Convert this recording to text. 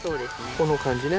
この感じね。